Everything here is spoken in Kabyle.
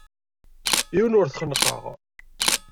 Yiwen ur t-xennqeɣ.